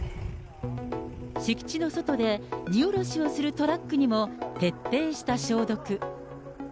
敷地の外で、荷降ろしをするトラックにも徹底した消毒。